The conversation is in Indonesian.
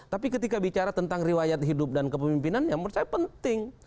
tapi ketika bicara tentang riwayat hidup dan kepemimpinannya menurut saya penting